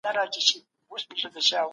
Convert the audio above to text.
حقوقپوهانو به کارګرانو ته د کار حق ورکوی.